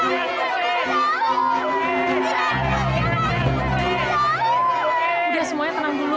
udah semuanya tenang dulu